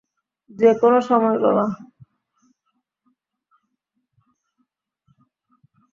যে কোনো সময়, বাবা।